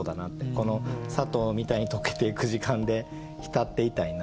この「砂糖みたいに溶けてゆく」時間で浸っていたいなっていう。